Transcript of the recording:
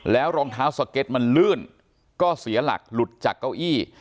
แล้วรองเท้าสเก็ตมันลื่นก็เสียหลักหลุดจากเก้าอี้